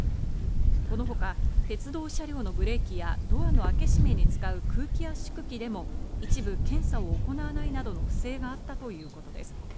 このほか鉄道車両のブレーキやドアの開け閉めに使う空気圧縮機でも一部検査を行わないなどの不正があったということです。